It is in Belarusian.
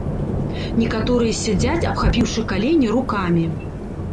Некаторыя сядзяць, абхапіўшы калені рукамі.